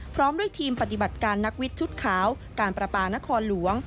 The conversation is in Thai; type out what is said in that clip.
พร้อมด้วยทีมปฏิบัติการนักวิทย์ชุดขาวการประปานครหลวง